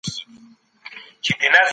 ژوند تل د پلان مطابق نه وي.